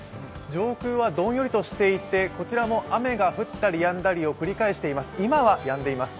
上空はどんよりとしていて、こちらも雨が降ったりやんだりを繰り返しています。